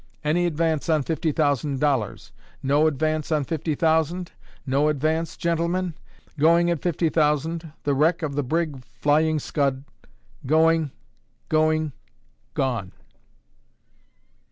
"Any advance on fifty thousand dollars? No advance on fifty thousand? No advance, gentlemen? Going at fifty thousand, the wreck of the brig Flying Scud going going gone!"